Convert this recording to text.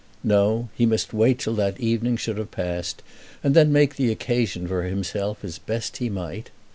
No; he must wait till that evening should have passed, and then make the occasion for himself as best he might.